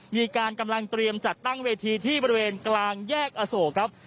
มีการกำลังเตรียมจัดตั้งเวทีที่บริเวณกลางแยกอโศกครับ